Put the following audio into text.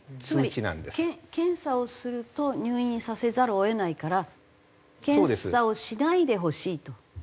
つまり検査をすると入院させざるを得ないから検査をしないでほしいと。